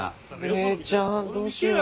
姉ちゃんどうしよう。